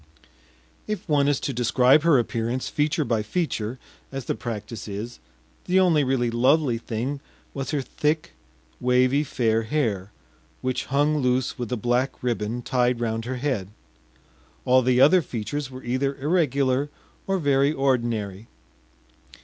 If one is to describe her appearance feature by feature, as the practice is, the only really lovely thing was her thick wavy fair hair, which hung loose with a black ribbon tied round her head; all the other features were either irregular or very ordinary.